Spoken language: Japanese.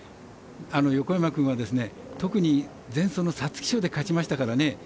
横山君は、特に前走の皐月賞で勝ちましたからね。